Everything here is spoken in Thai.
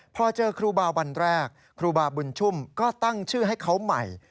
พอเจอครูบาวันแรกครูบาบุญชุ่มก็ตั้งชื่อให้เขาใหม่